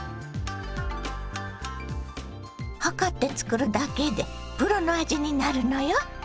量って作るだけでプロの味になるのよ。